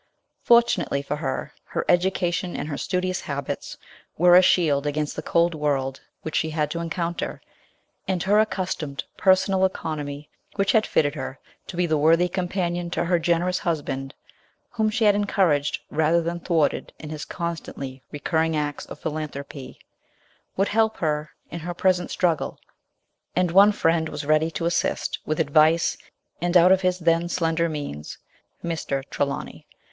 Fortunately for her, her education and her studious habits were a shield against the cold world which she had to encounter, and her accustomed personal economy, which had fitted her to be the worthy companion to her generous husband, whom she had encouraged rather than thwarted in his constantly recurring acts of philanthropy, would help her in her present struggle ; and one friend was ready to assist with advice and out of his then slender means, Mr. Trelawny.